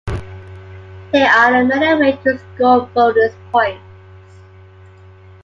There are many ways to score bonus points.